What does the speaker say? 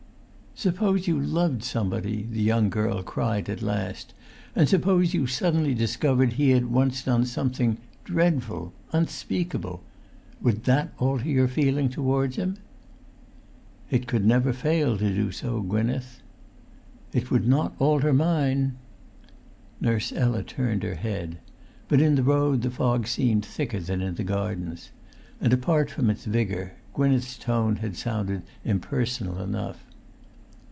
"Suppose you loved somebody," the young girl cried at last; "and suppose you suddenly discovered he had once done something dreadful—unspeakable. Would that alter your feeling towards him?" "It could never fail to do so, Gwynneth." "It would not alter mine!" Nurse Ella turned her head. But in the road the fog seemed thicker than in the gardens. And, apart from its vigour, Gwynneth's tone had sounded impersonal enough.